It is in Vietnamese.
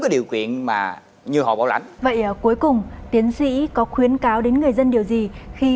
cái điều kiện mà như họ bảo lãnh vậy ở cuối cùng tiến sĩ có khuyến cáo đến người dân điều gì khi